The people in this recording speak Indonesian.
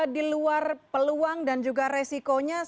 di luar peluang dan juga resikonya